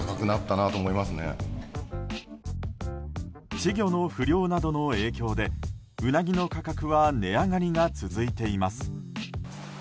稚魚の不漁などの影響でウナギの価格は値上がりが続いています。